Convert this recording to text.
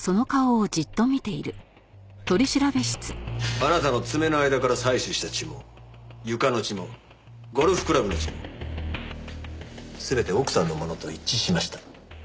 あなたの爪の間から採取した血も床の血もゴルフクラブの血も全て奥さんのものと一致しました。